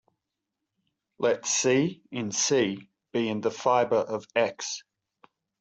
Let "c" in "C" be in the fiber of "x".